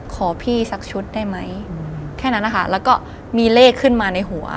ขอพี่สักชุดได้ไหมแค่นั้นนะคะแล้วก็มีเลขขึ้นมาในหัว